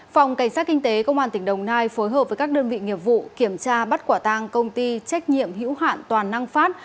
phòng cảnh sát kinh tế công an tỉnh đồng nai phối hợp với các đơn vị nghiệp vụ kiểm tra bắt quả tang công ty trách nhiệm hữu hạn toàn năng phát